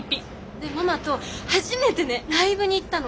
でママと初めてねライブに行ったの。